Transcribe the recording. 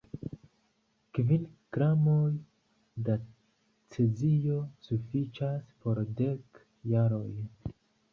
Kvin gramoj da cezio sufiĉas por dek jaroj.